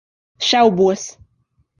Šaubos.